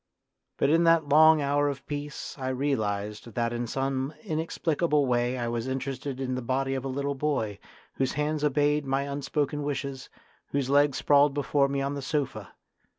But in that long hour of peace I realised that in some inexplicable way I was interested in 36 A DRAMA OF YOUTH the body of a little boy, whose hands obeyed my unspoken wishes, whose legs sprawled before me on the sofa.